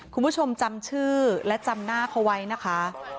คุณผู้ชมจำชื่อและจำหน้าเขาไว้นะคะ